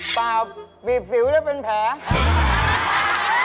เปล่าปีบฝิงแล้วเป็นแผล